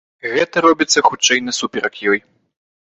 Гэта робіцца, хутчэй, насуперак ёй.